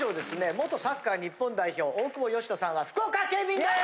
元サッカー日本代表大久保嘉人さんは福岡県民です。